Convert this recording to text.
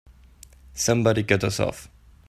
Somebody cut us off!